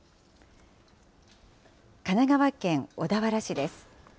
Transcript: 神奈川県小田原市です。